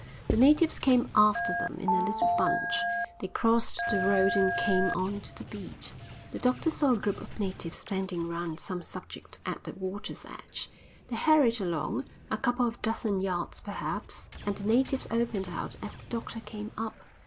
The natives came after them in a little bunch. They crossed the road and came on to the beach. The doctor saw a group of natives standing round some object at the water's edge. They hurried along, a couple of dozen yards perhaps, and the natives opened out as the doctor came up.